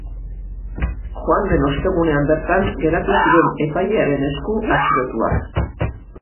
Joan den ostegunean bertan geratu ziren epailaren esku atxilotuak.